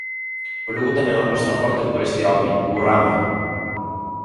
O Lugo tamén aposta forte por este home, Hugo Rama.